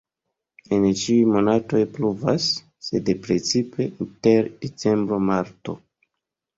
En ĉiuj monatoj pluvas, sed precipe inter decembro-marto.